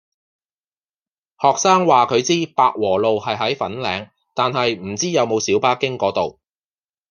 學生話佢知百和路係喺粉嶺，但係唔知有冇小巴經嗰度